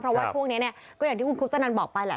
เพราะว่าช่วงนี้เนี่ยก็อย่างที่คุณคุปตนันบอกไปแหละ